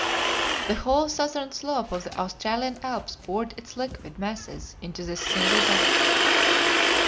The whole southern slope of the Australian Alps poured its liquid masses into this single bed.